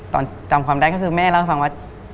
ตอนถ่องค์ความร้ายแม่ก็ครับว่า